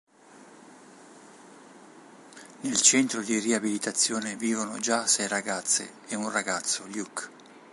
Nel centro di riabilitazione vivono già sei ragazze e un ragazzo, Luke.